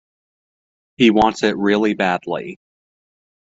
He wants in really badly.